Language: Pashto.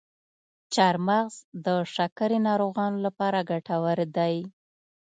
چارمغز د شکرې ناروغانو لپاره ګټور دی.